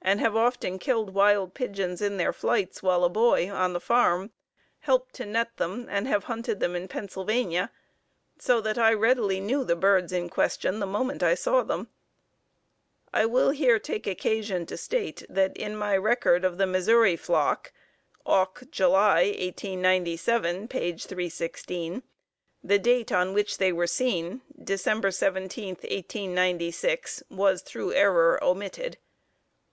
and have often killed wild pigeons in their flights while a boy on the farm, helped to net them, and have hunted them in Pennsylvania, so that I readily knew the birds in question the moment I saw them." I will here take occasion to state that in my record of the Missouri flock (Auk, July, 1897, p. 316) the date on which they were seen (Dec. 17, 1896) was, through error, omitted.